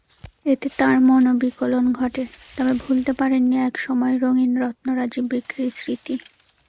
এতে তাঁর মনোবিকলন ঘটে, তবে ভুলতে পারেননি একসময়ের রঙিন রত্নরাজি বিক্রির স্মৃতি।